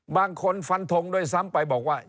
บางคนฝันถงโดยซ้ำไปบอกว่า